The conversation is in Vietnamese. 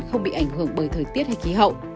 không bị ảnh hưởng bởi thời tiết hay khí hậu